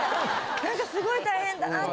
何かすごい大変だなって。